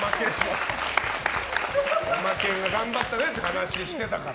ヤマケンが頑張ったねって話してたから。